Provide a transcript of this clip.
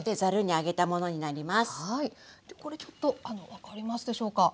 でこれちょっと分かりますでしょうか？